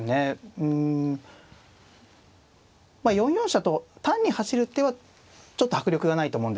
うんまあ４四飛車と単に走る手はちょっと迫力がないと思うんですね。